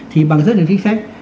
thì bằng rất nhiều chính sách